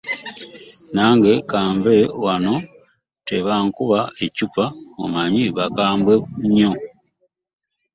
Nange ka nve wano tebankuba eccupa omanyi bakambwe nnyo